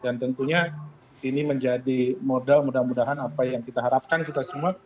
dan tentunya ini menjadi modal mudah mudahan apa yang kita harapkan kita semua